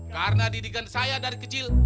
karena didikan saya dari kecil